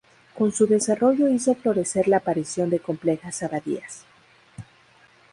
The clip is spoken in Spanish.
Con su desarrollo hizo florecer la aparición de complejas abadías.